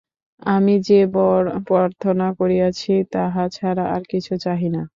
আমি যে-বর প্রার্থনা করিয়াছি, তাহা ছাড়া আর কিছু চাহি না।